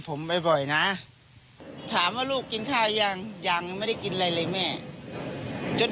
ผมบ่อยนะถามว่าลูกกินข้าวยังยังไม่ได้กินอะไรเลยแม่จน